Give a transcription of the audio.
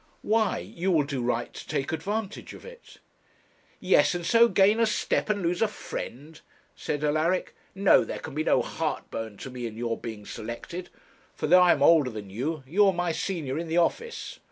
'Why, you will do right to take advantage of it.' 'Yes, and so gain a step and lose a friend!' said Alaric. 'No; there can be no heartburn to me in your being selected, for though I am older than you, you are my senior in the office.